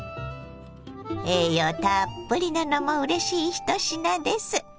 栄養たっぷりなのもうれしい一品です。